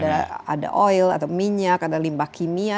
ada oil atau minyak ada limbah kimia